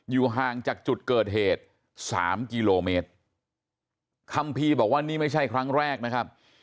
ห่างจากจุดเกิดเหตุสามกิโลเมตรคัมภีร์บอกว่านี่ไม่ใช่ครั้งแรกนะครับ